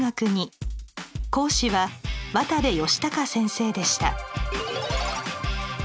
講師は渡部儀隆先生でした。